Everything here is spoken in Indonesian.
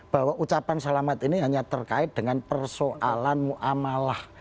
bahwa ucapan selamat ini hanya terkait dengan persoalan mu'amalah